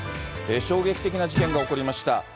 衝撃的な事件が起こりました。